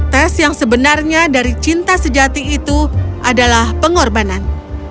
tes yang sebenarnya dari cinta sejati itu adalah pengorbanan